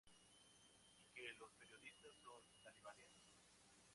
Y que los periodistas son talibanes?